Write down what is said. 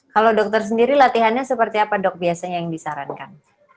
kalau dokter sendiri latihannya seperti apa dok biasanya yang disarankan